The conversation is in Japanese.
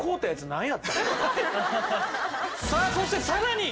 さあそしてさらに！